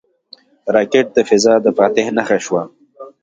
راکټ د فضا د فاتح نښه شوه